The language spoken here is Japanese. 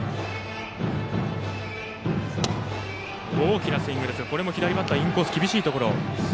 大きなスイングですがこれも左バッターのインコースの厳しいところ。